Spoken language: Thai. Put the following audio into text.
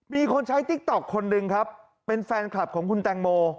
มีคนใช้ติ๊กต๊อกคนหนึ่งครับเป็นแฟนคลับของคุณแตงโม